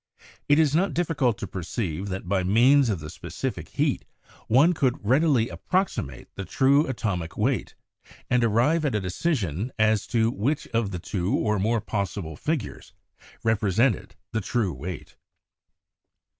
It is not difficult to perceive that by means of the specific heat one could readily approximate to the true atomic weight, and arrive at a decision as to which of two or more possible figures represented the true weight.